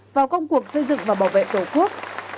vào công cuộc xây dựng và bảo vệ tổ quốc